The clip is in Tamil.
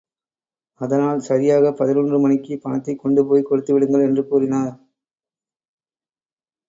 அதனால் சரியாக பதினொன்று மணிக்கு, பணத்தைக் கொண்டு போய் கொடுத்துவிடுங்கள் என்று கூறினார்.